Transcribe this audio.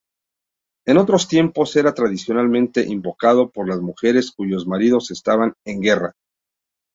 En otros tiempos era tradicionalmente invocado por las mujeres cuyos maridos estaban en guerra.